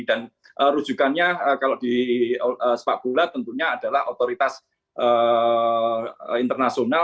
dan rujukannya kalau di sepak pula tentunya adalah otoritas internasional